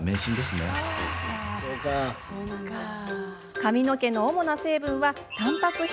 髪の毛の主な成分は、たんぱく質。